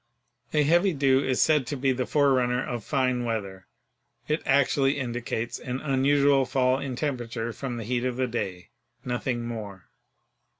A heavy dew is said to be the forerunner of fine weather. It actually indicates an unusual fall in tempera ture from the heat of the day — nothing more.